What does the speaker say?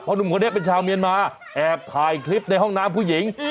หนุ่มคนนี้เป็นชาวเมียนมาแอบถ่ายคลิปในห้องน้ำผู้หญิง